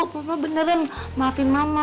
papa beneran maafin mama